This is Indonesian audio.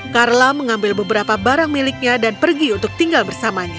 carla mengambil beberapa barang miliknya dan pergi untuk tinggal bersamanya